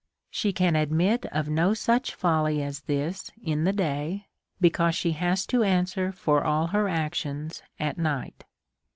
^ She can admit of no such folly as this in the day, because she is to answer for all hei' actions at night.